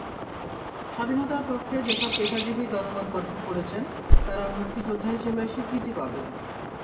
স্বাধীনতার পক্ষে যেসব পেশাজীবী জনমত গঠন করেছেন, তাঁরা মুক্তিযোদ্ধা হিসেবে স্বীকৃতি পাবেন।